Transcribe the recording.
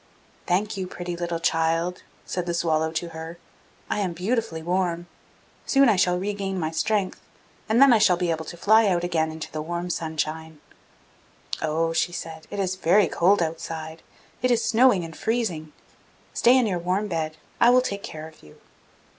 'Thank you, pretty little child!' said the swallow to her. 'I am so beautifully warm! Soon I shall regain my strength, and then I shall be able to fly out again into the warm sunshine.' 'Oh!' she said, 'it is very cold outside; it is snowing and freezing! stay in your warm bed; I will take care of you!